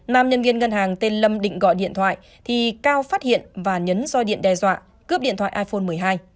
nam nhân viên ngân hàng tên lâm định gọi điện thoại thì cao phát hiện và nhấn roi điện đe dọa cướp điện thoại iphone một mươi hai